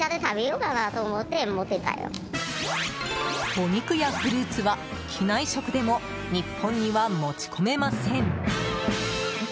お肉やフルーツは、機内食でも日本には持ち込めません。